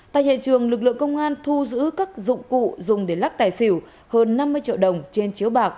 tại hiện trường lực lượng công an thu giữ các dụng cụ dùng để lắc tài xỉu hơn năm mươi triệu đồng trên chiếu bạc